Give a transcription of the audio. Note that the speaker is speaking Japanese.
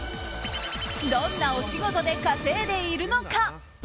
どんなお仕事で稼いでいるのか。